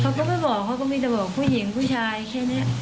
เขาก็ไม่บอกเขาก็มีแต่บอกผู้หญิงผู้ชายแค่นี้